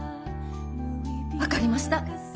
分かりました！